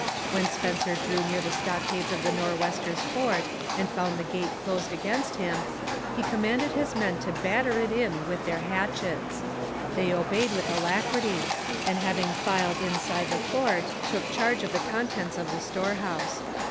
When Spencer drew near the stockades of the Nor'westers' fort and found the gate closed against him, he commanded his men to batter it in with their hatchets. They obeyed with alacrity, and having filed inside the fort, took charge of the contents of the storehouse.